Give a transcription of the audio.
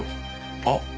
あっ！